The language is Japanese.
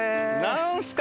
なんすか？